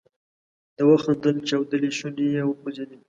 ده وخندل، چاودلې شونډې یې وخوځېدې.